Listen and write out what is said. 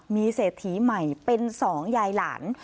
มีเศรษฐีใหม่เป็นสองยายหลาน